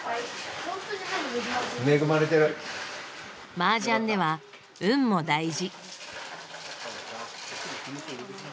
麻雀では運も大事。